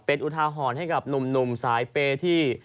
เป็นอุทาหรณ์ให้กับหนุ่มสายเปย์ที่